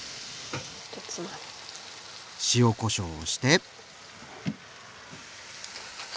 塩・こしょうをして。